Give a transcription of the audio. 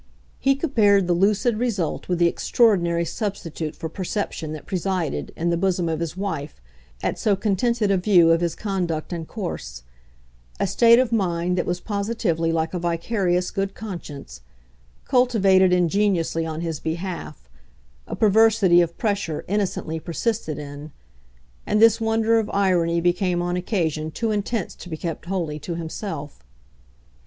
He compared the lucid result with the extraordinary substitute for perception that presided, in the bosom of his wife, at so contented a view of his conduct and course a state of mind that was positively like a vicarious good conscience, cultivated ingeniously on his behalf, a perversity of pressure innocently persisted in; and this wonder of irony became on occasion too intense to be kept wholly to himself.